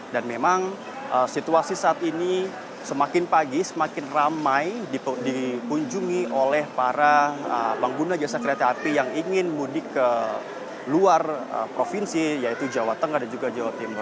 dan memang situasi saat ini semakin pagi semakin ramai dipunjungi oleh para pengguna jasa kereta api yang ingin mudik ke luar provinsi yaitu jawa tengah dan juga jawa timur